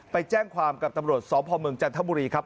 ไปแจ้งความกับตำรวจสพเมืองจันทบุรีครับ